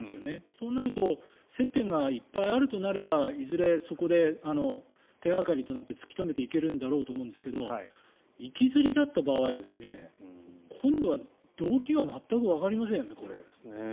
そうなると接点がいっぱいあるとなればいずれそこで手掛かりとなって突き止めていけるんだろうと思うんですけど行きずりだった場合今度は動機が全くわかりませんよね、これ。